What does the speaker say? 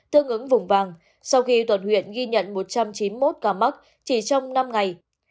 tương ứng vùng vàng sau khi toàn huyện ghi nhận một trăm chín mươi một ca mắc chỉ trong năm ngày